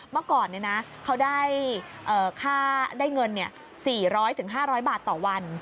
เมื่อก่อนเขาได้เงิน๔๐๐๕๐๐บาทต่อวัน